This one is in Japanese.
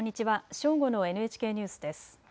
正午のＮＨＫニュースです。